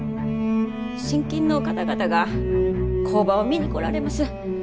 信金の方々が工場を見に来られます。